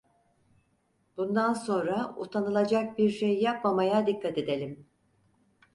Bundan sonra utanılacak bir şey yapmamaya dikkat edelim…